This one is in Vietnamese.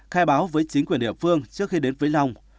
khai báo với chính quyền địa phương trước khi đến với long